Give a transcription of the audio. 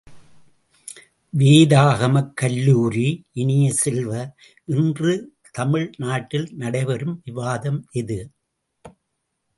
வேதாகமக் கல்லுரி இனிய செல்வ, இன்று தமிழ் நாட்டில் நடைபெறும் விவாதம் எது?